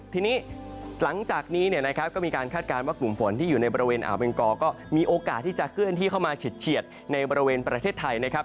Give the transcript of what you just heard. ทีนี้หลังจากนี้เนี่ยนะครับก็มีการคาดการณ์ว่ากลุ่มฝนที่อยู่ในบริเวณอ่าวเบงกอก็มีโอกาสที่จะเคลื่อนที่เข้ามาเฉียดในบริเวณประเทศไทยนะครับ